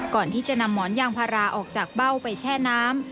ก่อนที่จะนำหมอนยางพาราออกจากเบ้าไปแช่น้ำ